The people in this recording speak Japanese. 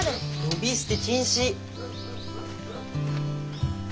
呼び捨て禁止！